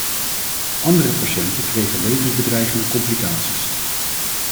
Andere patiënten kregen levensbedreigende complicaties.